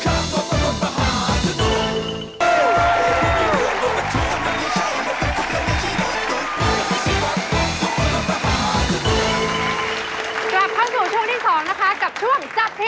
กับช่วงจับผิดมหาสนุก